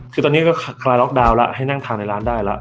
คือตอนนี้ก็คลายล็อกดาวน์แล้วให้นั่งทานในร้านได้แล้ว